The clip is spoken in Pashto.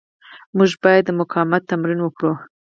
موږ باید د مقاومت تمرین وکړو.